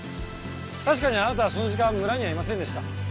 確かにあなたはその時間村にはいませんでした。